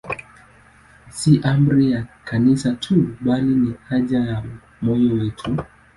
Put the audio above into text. Si amri ya Kanisa tu, bali ni haja ya moyo wetu.